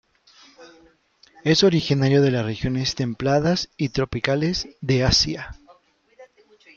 Es originario de las regiones templadas y tropicales de Asia.